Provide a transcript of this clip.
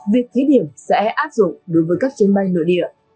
việc thí điểm sẽ áp dụng đối với các chuyến bay nội địa